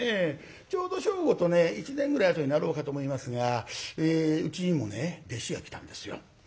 ちょうど昇吾とね１年ぐらいあとになろうかと思いますがうちにもね弟子が来たんですよ。